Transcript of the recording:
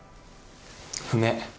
不明。